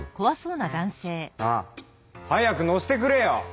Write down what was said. なあ早く乗せてくれよ！